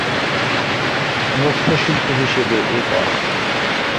মূখ্য শিল্পী হিসাবে একক